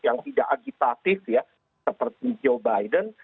yang tidak agitatif ya seperti joe biden